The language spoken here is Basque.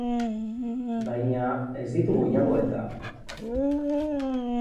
Baina, ez ditugu jango eta!